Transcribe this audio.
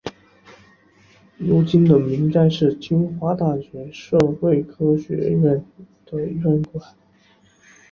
如今的明斋是清华大学社会科学学院的院馆。